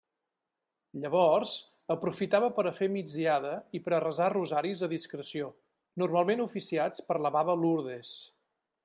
Llavors aprofitava per a fer migdiada i per a resar rosaris a discreció, normalment oficiats per la baba Lourdes.